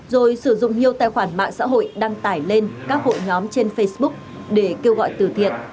rồi sử dụng nhiều tài khoản mạng xã hội đăng tải lên các hội nhóm trên facebook để kêu gọi từ thiện